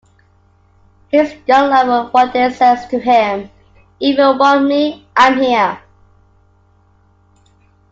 His young lover one day says to him, "If you want me, I'm here".